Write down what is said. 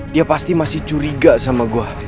dia pasti masih curiga sama gue